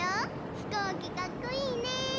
ひこうきかっこいいね！